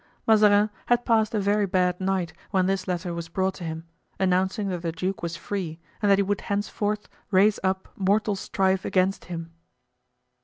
Mazarin had passed a very bad night when this letter was brought to him, announcing that the duke was free and that he would henceforth raise up mortal strife against him.